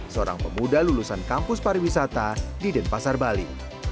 seorang pemuda lulusan kampus pariwisata di denpasar bali